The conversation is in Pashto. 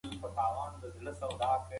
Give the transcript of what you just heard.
بابر په خپله سوانح کي د کندهار ستاینه کړې ده.